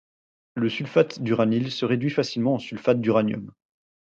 Le sulfate d'uranyle se réduit facilement en sulfate d'uranium.